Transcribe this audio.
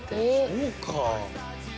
そうか。